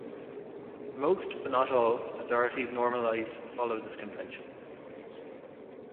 Most, but not all, authorities normalise follow this convention.